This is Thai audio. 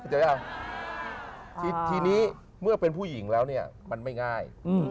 เฮ้ยที่นี่เมื่อเป็นผู้หญิงแล้วมันไม่ง่าย